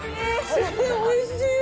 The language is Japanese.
おいしい。